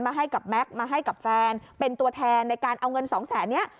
ให้กับแม็กซ์มาให้กับแฟนเป็นตัวแทนในการเอาเงินสองแสนนี้